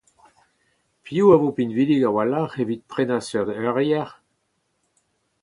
Piv a vo pinvidik a-walc'h evit prenañ seurt eurier ?